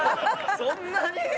そんなに？